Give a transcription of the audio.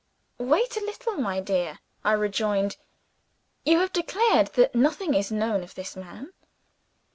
"Wait a little, my dear," I rejoined. "You have declared that nothing is known of this man.